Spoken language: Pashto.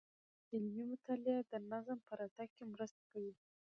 علمي مطالعه د نظم په راتګ کي مرسته کوي.